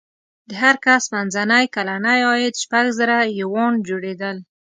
د هر کس منځنی کلنی عاید شپږ زره یوان جوړېدل.